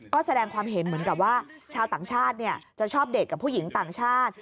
ก็แสดงความเห็นเหมือนกับว่าชาวต่างชาติจะชอบเด็กกับผู้หญิงต่างชาติ